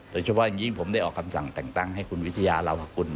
โดยเฉพาะอย่างยิ่งผมได้ออกคำสั่งแต่งตั้งให้คุณวิทยาลาวกุล